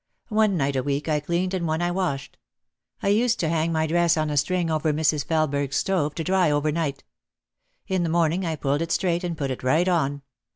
One night a week I cleaned and one I washed. I used to hang my dress on a string over Mrs. Felesberg's stove to dry over night. In the morning I pulled it straight and put it right on.